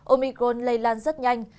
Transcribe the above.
omicron lây lan rất nhanh